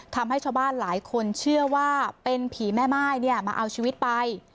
ทำให้ชาวบ้านหลายคนเชื่อว่าเป็นผีแม่ม่ายมาเอาชีวิตไป